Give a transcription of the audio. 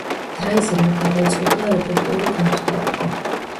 დრაიზერმა გადაწყვიტა რეპორტიორი გამხდარიყო.